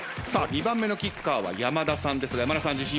２番目のキッカーは山田さんですが山田さん自信は？